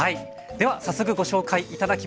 では早速ご紹介頂きます。